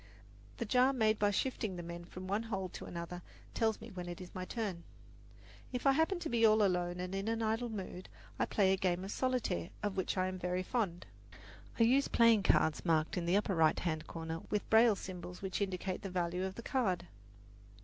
The jar made by shifting the men from one hole to another tells me when it is my turn. If I happen to be all alone and in an idle mood, I play a game of solitaire, of which I am very fond. I use playing cards marked in the upper right hand corner with braille symbols which indicate the value of the card.